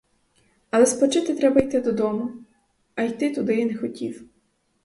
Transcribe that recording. Але спочити треба йти додому, а йти туди я не хотів.